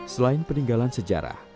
selain peninggalan sejarah